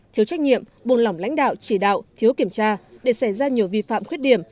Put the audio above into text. thiếu trách nhiệm buông lỏng lãnh đạo chỉ đạo thiếu kiểm tra để xảy ra nhiều vi phạm khuyết điểm